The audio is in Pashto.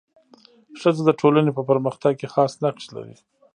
ښځه د ټولني په پرمختګ کي خاص نقش لري.